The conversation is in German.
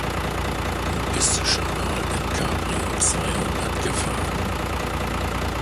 Bist du schon schon mal im Cabrio zweihundert gefahren?